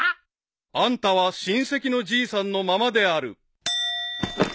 ［あんたは親戚のじいさんのままである］